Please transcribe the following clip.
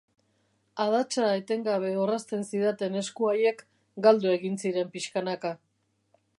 Adatsa etengabe orrazten zidaten esku haiek galdu egin ziren pixkanaka.